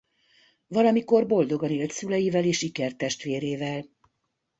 Valamikor boldogan élt szüleivel és ikertestvérével.